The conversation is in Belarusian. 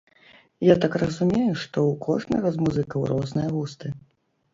Я так разумею, што ў кожнага з музыкаў розныя густы.